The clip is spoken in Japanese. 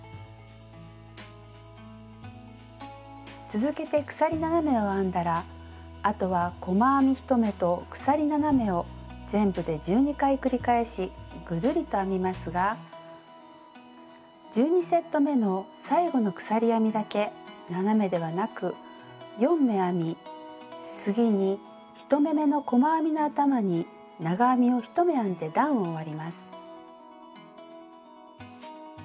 続けて鎖７目を編んだらあとは細編み１目と鎖７目を全部で１２回繰り返しぐるりと編みますが１２セットめの最後の鎖編みだけ７目ではなく４目編み次に１目めの細編みの頭に長編みを１目編んで段を終わります。